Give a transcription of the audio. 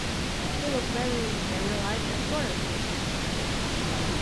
They look very, very like that sort of thing.